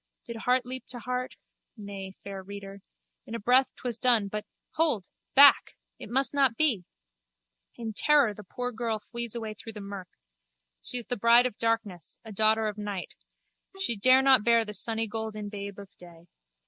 Did heart leap to heart? Nay, fair reader. In a breath 'twas done but—hold! Back! It must not be! In terror the poor girl flees away through the murk. She is the bride of darkness, a daughter of night. She dare not bear the sunnygolden babe of day.